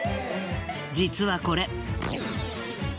実はこれ。